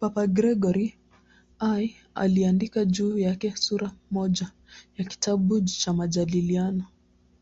Papa Gregori I aliandika juu yake sura moja ya kitabu cha "Majadiliano".